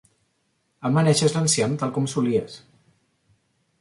Amaneixes l'enciem tal com solies.